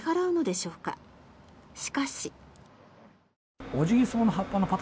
しかし。